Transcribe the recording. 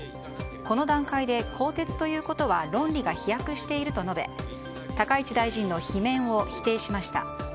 この段階で更迭ということは論理が飛躍していると述べ高市大臣の罷免を否定しました。